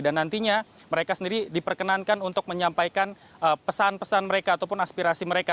dan nantinya mereka sendiri diperkenankan untuk menyampaikan pesan pesan mereka ataupun aspirasi mereka